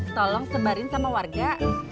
tolong sebarin sama warga